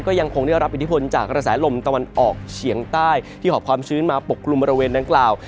ก็ยังคงได้รับอิทธิพลจากกระแสลมตะวันออกเฉียงใต้ที่หอบความชื้นมาปกกลุ่มบริเวณดังกล่าว